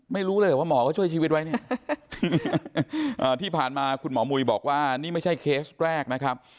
ไม่รู้เลยเหรอว่าหมอเขาช่วยชีวิตไว้เนี่ยที่ผ่านมาคุณหมอมุยบอกว่านี่ไม่ใช่เคสแรกนะครับ